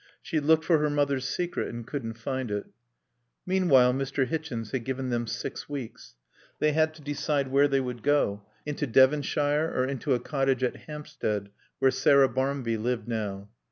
She looked for her mother's secret and couldn't find it. Meanwhile Mr. Hichens had given them six weeks. They had to decide where they would go: into Devonshire or into a cottage at Hampstead where Sarah Barmby lived now.